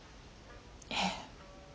ええ。